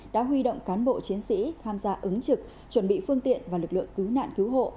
đã huy động cán bộ chiến sĩ tham gia ứng trực chuẩn bị phương tiện và lực lượng cứu nạn cứu hộ